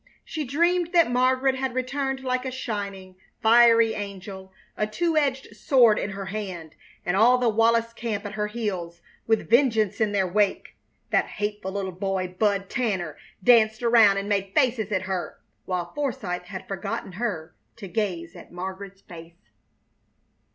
She dreamed that Margaret had returned like a shining, fiery angel, a two edged sword in her hand and all the Wallis camp at her heels, with vengeance in their wake. That hateful little boy, Bud Tanner, danced around and made faces at her, while Forsythe had forgotten her to gaze at Margaret's face.